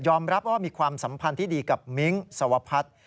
รับว่ามีความสัมพันธ์ที่ดีกับมิ้งสวพัฒน์